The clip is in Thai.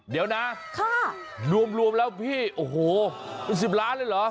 เดี๋ยวนะรวมแล้วพี่โอ้โหเป็น๑๐ล้านเลยเหรอ